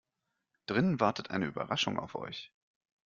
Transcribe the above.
Drinnen wartet eine Überraschung auf euch.